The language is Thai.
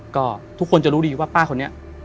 ก็ทุกคนจะรู้ดีว่าป้าคนนี้